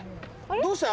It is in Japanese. どうした？